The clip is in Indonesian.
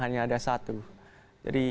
hanya ada satu jadi